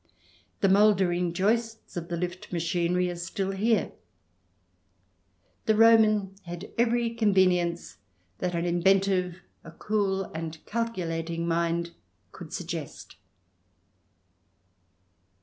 The mouldering joists of the lift machinery are still here : the Roman had every convenience that an inventive, a cool and calculating mind could suggest.